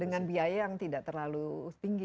dengan biaya yang tidak terlalu tinggi